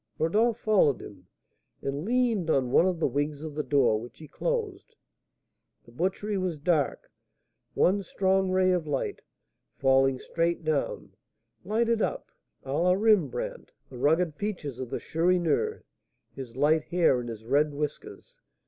Rodolph followed him, and leaned on one of the wings of the door, which he closed. The butchery was dark; one strong ray of light, falling straight down, lighted up, à la Rembrandt, the rugged features of the Chourineur, his light hair, and his red whiskers.